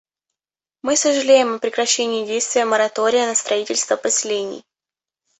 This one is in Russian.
Мы сожалеем о прекращении действия моратория на строительство поселений.